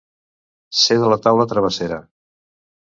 Ser de la taula travessera.